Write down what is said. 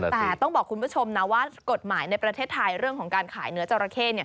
แต่ต้องบอกคุณผู้ชมนะว่ากฎหมายในประเทศไทยเรื่องของการขายเนื้อจราเข้